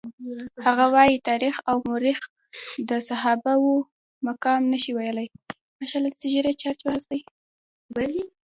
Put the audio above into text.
هغه وايي تاریخ او مورخ د صحابه وو مقام نشي ویلای.